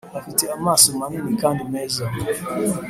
Afite amaso manini kandi meza